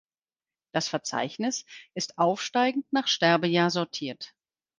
Das Verzeichnis ist aufsteigend nach Sterbejahr sortiert.